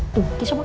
tuh kisah mak